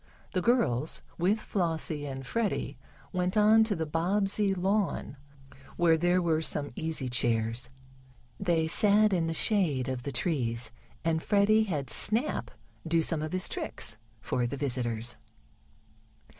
The girls, with Flossie and Freddie, went on the Bobbsey lawn, where there were some easy chairs. They sat in the shade of the trees, and Freddie had Snap do some of his tricks for the visitors.